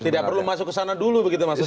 tidak perlu masuk ke sana dulu begitu maksudnya